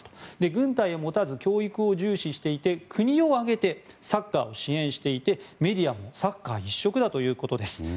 軍隊を持たず教育を重視していて国を挙げてサッカーを支援していてメディアもサッカー一色だということです。